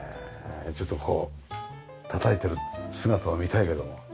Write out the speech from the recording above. ちょっとこうたたいてる姿を見たいけどもね。